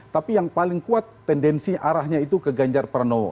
tapi yang paling kuat tendensi arahnya itu ke ganjar pranowo